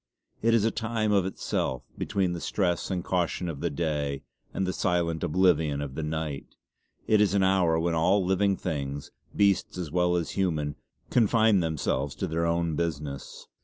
It is a time of itself; between the stress and caution of the day, and the silent oblivion of the night: It is an hour when all living things, beasts as well as human, confine themselves to their own business.